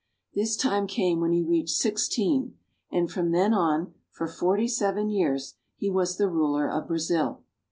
This time came when he reached sixteen, and from then on for forty seven years he was the ruler of Brazil.